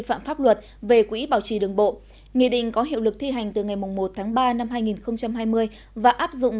phạm pháp luật về quỹ bảo trì đường bộ nghị định có hiệu lực thi hành từ ngày một tháng ba năm hai nghìn hai mươi và áp dụng